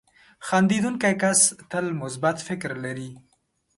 • خندېدونکی کس تل مثبت فکر لري.